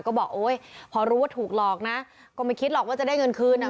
ก็บอกโอ๊ยพอรู้ว่าถูกหลอกนะก็ไม่คิดหรอกว่าจะได้เงินคืนอ่ะ